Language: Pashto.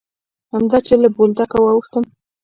همدا چې له بولدکه واوښتم.